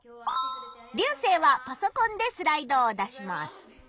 リュウセイはパソコンでスライドを出します。